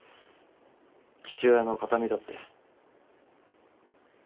父親の形見だって。